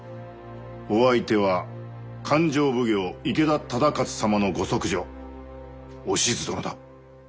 お相手は勘定奉行池田忠勝様のご息女おしず殿だ。